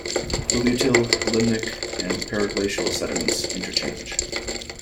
Fluviatile, limnic and periglacial sediments interchange.